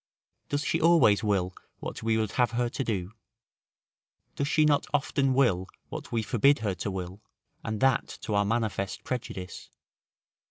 Does she always will what we would have her to do? Does she not often will what we forbid her to will, and that to our manifest prejudice?